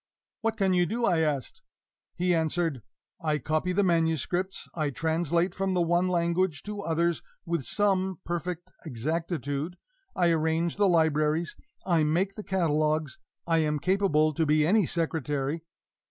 "What can you do?" I asked. He answered: "I copy the manuscripts, I translate from the one language to others with some perfect exactitude, I arrange the libraries, I make the catalogues, I am capable to be any secretary."